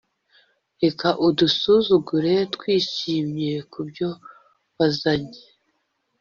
reka udusuzugure twishimye kubyo wazanye